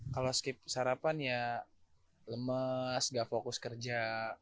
kalau skip sarapan ya lemes nggak fokus kerja